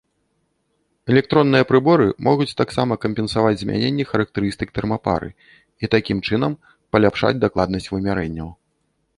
Электронныя прыборы могуць таксама кампенсаваць змяненні характарыстык тэрмапары, і такім чынам паляпшаць дакладнасць вымярэнняў.